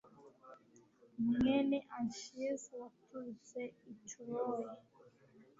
mwene Anchise waturutse i Troy